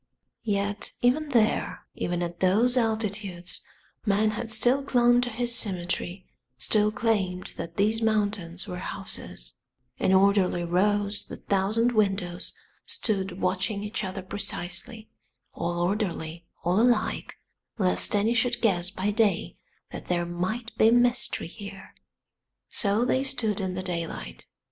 Yet even there, even at those altitudes, man had still clung to his symmetry, still claimed that these mountains were houses; in orderly rows the thousand windows stood watching each other precisely, all orderly, all alike, lest any should guess by day that there might be mystery here. So they stood in the daylight.